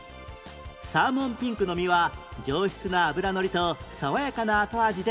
サーモンピンクの身は上質な脂のりと爽やかな後味で大人気！